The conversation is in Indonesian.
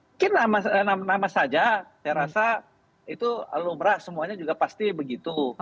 mungkin nama saja saya rasa itu alu merah semuanya juga pasti begitu